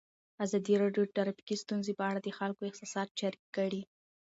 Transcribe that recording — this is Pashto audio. ازادي راډیو د ټرافیکي ستونزې په اړه د خلکو احساسات شریک کړي.